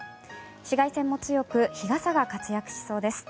紫外線も強く日傘が活躍しそうです。